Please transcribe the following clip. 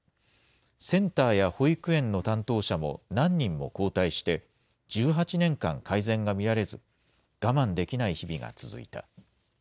センターや保育園の担当者も何人も交代して、１８年間、改善が見られず、我慢できない日々が続いた。